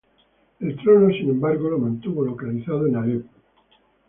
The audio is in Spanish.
El trono, sin embargo, lo mantuvo localizado en Alepo.